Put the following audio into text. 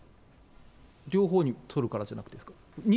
両方にとるからじゃなくてですか？